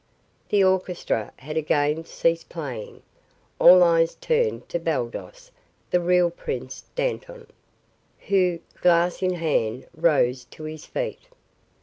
The orchestra had again ceased playing. All eyes turned to Baldos, the real Prince Dantan, who, glass in hand, rose to his feet.